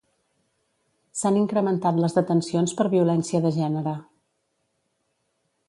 S'han incrementat les detencions per violència de gènere.